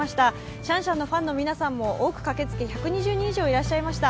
シャンシャンのファンの皆さんも多く駆けつけ１２０人以上いらっしゃいました。